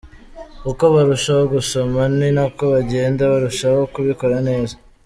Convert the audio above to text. Uko barushaho gusoma ni nako bagenda barushaho kubikora neza.